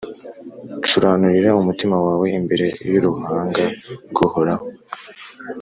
curanurira umutima wawe imbere y’uruhanga rw’Uhoraho